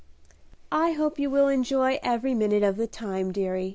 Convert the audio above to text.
"I hope you will enjoy every minute of the time, deary.